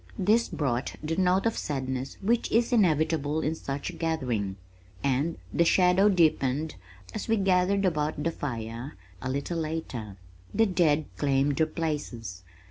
This brought the note of sadness which is inevitable in such a gathering, and the shadow deepened as we gathered about the fire a little later. The dead claimed their places.